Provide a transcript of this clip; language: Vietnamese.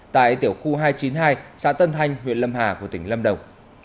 tại tiểu khu hai trăm chín mươi hai xã tân thanh huyện lâm hà của tỉnh lâm đồng